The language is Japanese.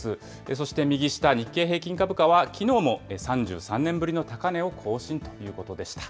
そして右下、日経平均株価は、きのうも３３年ぶりの高値を更新ということでした。